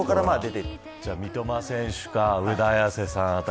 三笘選手か上田綺世さん